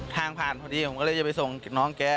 ทางผ่านพอดีผมก็เลยจะไปส่งน้องแก